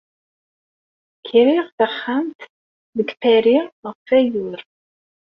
Kriɣ taxxamt deg Paris ɣef ayyur.